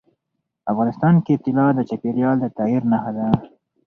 افغانستان کې طلا د چاپېریال د تغیر نښه ده.